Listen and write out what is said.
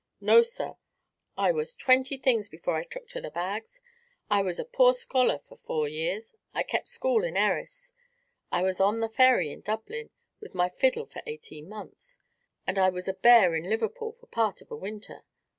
"No, sir; I was twenty things before I took to the bags. I was a poor scholar for four years; I kept school in Erris; I was 'on' the ferry in Dublin with my fiddle for eighteen months; and I was a bear in Liverpool for part of a winter."